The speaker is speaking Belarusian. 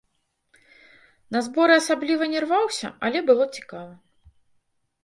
На зборы асабліва не рваўся, але было цікава.